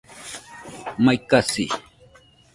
Mai kasi